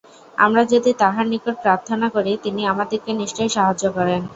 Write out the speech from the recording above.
আমরা যদি তাঁহার নিকট প্রার্থনা করি, তিনি আমাদিগকে নিশ্চয়ই সাহায্য করেন।